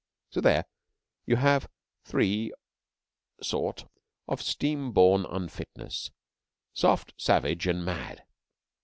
So there you have three sort of steam borne unfitness soft, savage, and mad.